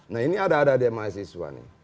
nah ini ada di mahasiswa nih